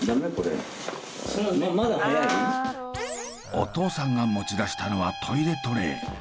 お父さんが持ち出したのはトイレトレー。